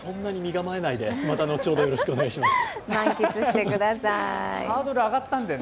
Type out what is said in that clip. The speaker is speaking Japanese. そんなに身構えないで、また後ほど、お願いします。